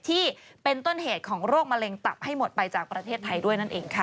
ที่เป็นต้นเหตุของโรคมะเร็งตับให้หมดไปจากประเทศไทยด้วยนั่นเองค่ะ